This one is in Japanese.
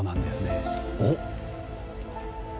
おっ？